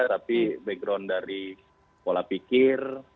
tapi background dari pola pikir